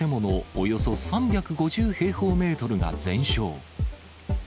およそ３５０平方メートルが全焼。